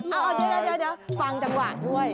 เอาเดี๋ยวฟังจังหวะด้วย